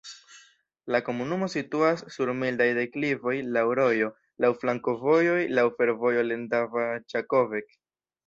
La komunumo situas sur mildaj deklivoj, laŭ rojo, laŭ flankovojoj, laŭ fervojo Lendava-Ĉakovec.